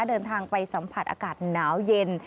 เดินทางไปสัมผัสอากาศหนาวเย็น